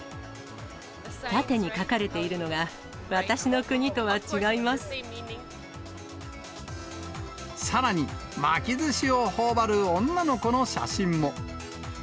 縦に描かれているのが、さらに、巻きずしをほおばる女の子の写真も。